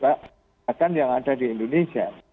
kesehatan yang ada di indonesia